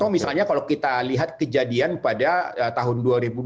misalnya kalau kita lihat kejadian pada tahun dua ribu dua puluh